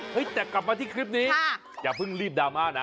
แต่กลับมาที่คลิปนี้อย่าเพิ่งรีบดราม่านะ